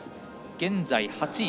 現在８位。